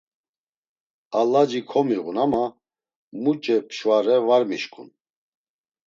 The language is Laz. A laci komiğun ama muç̌e pşvare var mişǩun.